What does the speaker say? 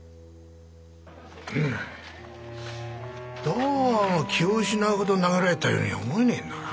どうも気を失うほど殴られたようには思えねえんだな。